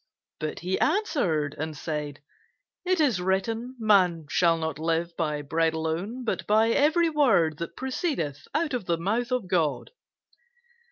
But he answered and said, It is written, Man shall not live by bread alone, but by every word that proceedeth out of the mouth of God.